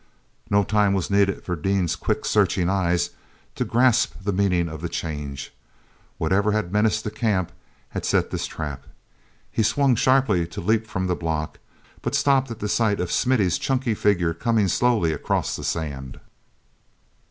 No time was needed for Dean's quick searching eyes to grasp the meaning of the change. Whatever had menaced the camp had set this trap. He swung sharply to leap from the block, but stopped at the sight of Smith's chunky figure coming slowly across the sand.